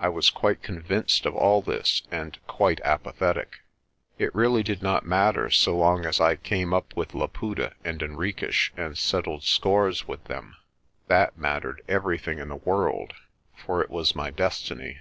I was quite con vinced of all this and quite apathetic. It really did not mat ter so long as I came up with Laputa and Henriques and settled scores with them. That mattered everything in the world, for it was my destiny.